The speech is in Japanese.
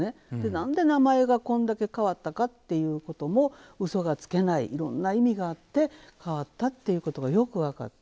なんで名前がこれだけ変わったかということもうそがつけないいろんな意味があって変わったということがよく分かって。